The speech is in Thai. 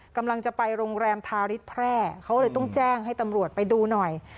กำลังจะไปโรงแรมทาริสแพร่เขาเลยต้องแจ้งให้ตำรวจไปดูหน่อย